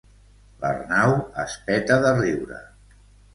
L'Arnau es peta de riure.